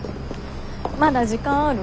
まだ時間ある？